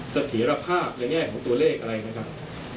ถียรภาพในแง่ของตัวเลขอะไรนะครับ